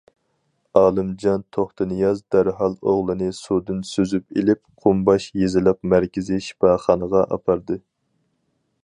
ئالىمجان توختىنىياز دەرھال ئوغلىنى سۇدىن سۈزۈپ ئېلىپ قۇمباش يېزىلىق مەركىزى شىپاخانىغا ئاپاردى.